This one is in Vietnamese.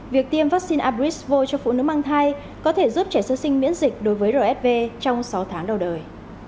việc tiêm vaccine abrisvoi cho phụ nữ mang thai có thể giúp trẻ sơ sinh miễn dịch đối với rfv trong sáu tháng đầu đời